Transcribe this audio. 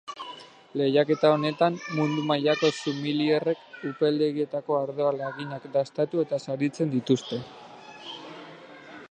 Lehiaketa honetan mundu mailako sumilierrek upeldegietako ardoa laginak dastatu eta saritzen dituzte.